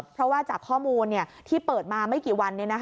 เพราะว่าจากข้อมูลที่เปิดมาไม่กี่วัน